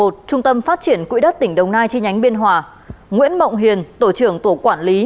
trung tâm phát triển quỹ đất tỉnh đồng nai chi nhánh biên hòa nguyễn mộng hiền tổ trưởng tổ quản lý